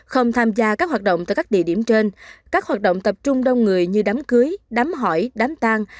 không tham gia các hoạt động tại các địa điểm trên các hoạt động tập trung đông người như đám cưới đám hỏi đám tang